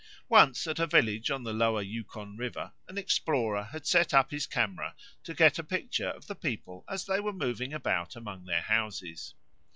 Once at a village on the lower Yukon River an explorer had set up his camera to get a picture of the people as they were moving about among their houses.